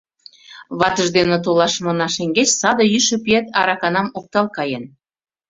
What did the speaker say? Ватыж дене толашымына шеҥгеч саде йӱшӧ пиет араканам оптал каен.